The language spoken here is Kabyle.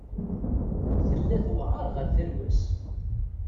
Tella tewεer ɣer tarwa-s.